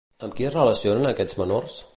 Amb qui es relacionen aquests menors?